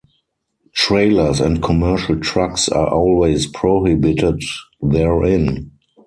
Trailers and commercial trucks are always prohibited therein.